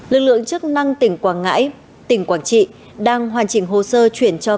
lực lượng chức năng tỉnh quảng ngãi tỉnh quảng trị đang hoàn chỉnh hồ sơ chuyển cho